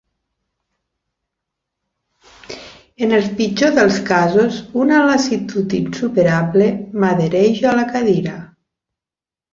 En el pitjor dels casos una lassitud insuperable m'adhereix a la cadira.